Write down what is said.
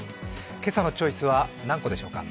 今朝のチョイスは何個でしょうか？